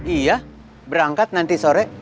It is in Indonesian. iya berangkat nanti sore